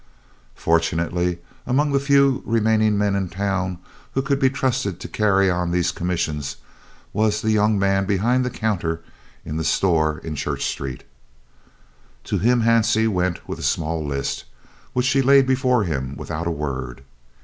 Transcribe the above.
Fortunately, among the few remaining men in town who could be trusted to carry out these commissions was the young man behind the counter in the store in Church Street. To him Hansie went with a small list, which she laid before him without a word.